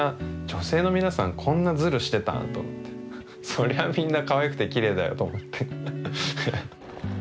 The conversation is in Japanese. そりゃみんなかわいくてきれいだよと思って。